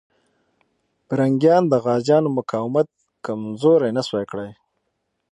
پرنګیان د غازيانو مقاومت کمزوری نسو کړای.